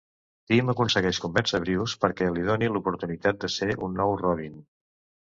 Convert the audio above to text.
Tim aconsegueix convèncer Bruce perquè li doni l'oportunitat de ser un nou Robin.